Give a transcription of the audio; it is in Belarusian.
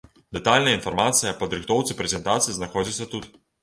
Дэтальная інфармацыя аб падрыхтоўцы прэзентацыі знаходзіцца тут.